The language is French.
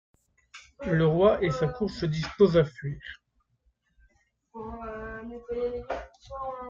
Le roi et sa cour se disposent à fuir.